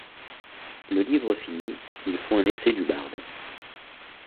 Le livre fini, ils font un essai du Barde.